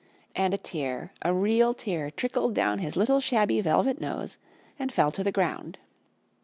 And a tear, a real tear, trickled down his little shabby velvet nose and fell to the ground.